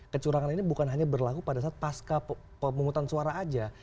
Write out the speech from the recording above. kecurangan ini bukan hanya berlaku pada saat pasca pemungutan suara saja